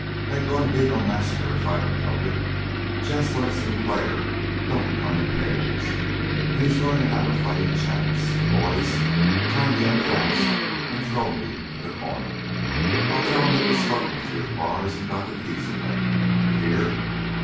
They ain't going to be no massacre if I can help it. Gents like Sinclair don't come in pairs, and he's going to have a fighting chance. Boys, tie me up fast and throw me in the corner. I'll tell 'em that you slugged me through the bars and got the keys away. You hear?"